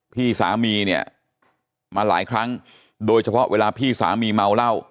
พี่สามีเนี่ยมาหลายครั้งโดยเฉพาะเวลาพี่สามีเมาเหล้า